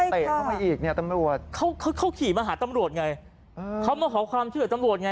ใช่ค่ะเค้าขี่มาหาตำรวจไงเค้ามาขอความเชื่อตำรวจไง